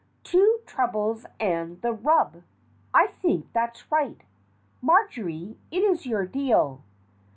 Two trebles and the rub. I think that's right. Marjory, it is your deal."